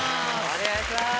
お願いします。